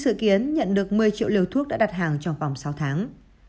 chính phủ mỹ dự kiến nhận được một mươi triệu liều thuốc đã đặt hàng trong vòng sáu tháng